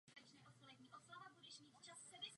S jeho pomocí bude naše práce koherentní a efektivní.